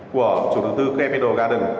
của chủ đầu tư capitol garden